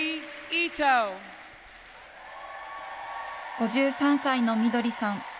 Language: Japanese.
５３歳のみどりさん。